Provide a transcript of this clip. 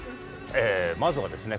まずはですね